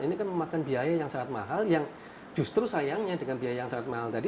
ini kan memakan biaya yang sangat mahal yang justru sayangnya dengan biaya yang sangat mahal tadi